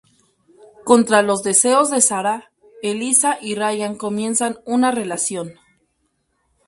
Contra los deseos de Sarah, Elissa y Ryan comienzan una relación.